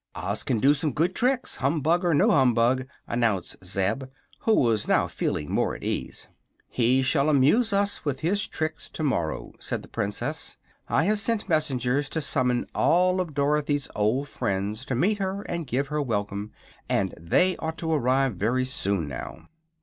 "Oz can do some good tricks, humbug or no humbug," announced Zeb, who was now feeling more at ease. "He shall amuse us with his tricks tomorrow," said the Princess. "I have sent messengers to summon all of Dorothy's old friends to meet her and give her welcome, and they ought to arrive very soon, now."